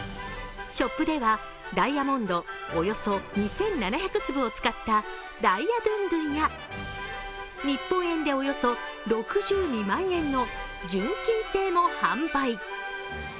ショップでは、ダイヤモンドおよそ２７００粒を使った、ダイヤドゥンドゥンや日本円でおよそ６２万円の純金製も販売。